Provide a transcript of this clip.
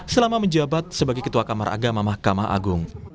selama menjabat sebagai ketua kamar agama mahkamah agung